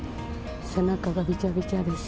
背中がびちゃびちゃです。